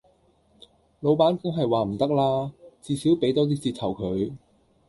老闆梗係話唔得啦，至多俾多 d 折頭佢